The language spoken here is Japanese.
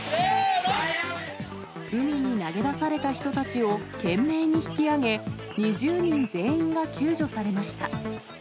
海に投げ出された人たちを懸命に引き上げ、２０人全員が救助されました。